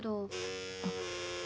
あっ。